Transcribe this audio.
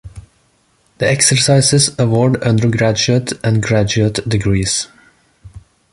The exercises award undergraduate and graduate degrees.